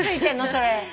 それ。